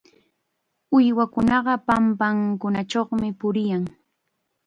Uywakunaqa pampakunachawmi puriyan.